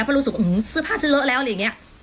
เพราะรู้สึกว่าเสื้อผ้าฉันเลอะแล้วอะไรอย่างนี้